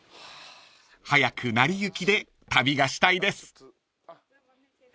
［早くなりゆきで旅がしたいです］